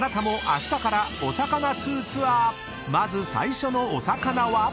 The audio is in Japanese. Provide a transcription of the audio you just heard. ［まず最初のお魚は？］